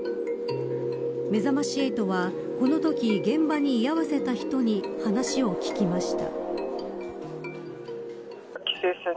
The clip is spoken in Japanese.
めざまし８は、このとき現場に居合わせた人に話を聞きました。